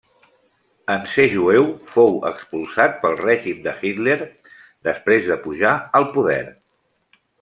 En ser jueu fou expulsat pel règim de Hitler després de pujar al poder.